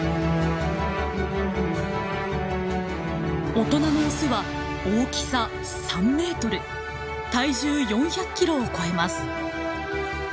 大人のオスは大きさ３メートル体重４００キロを超えます。